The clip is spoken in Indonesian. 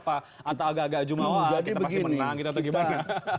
atau agak agak jumawah kita pasti menang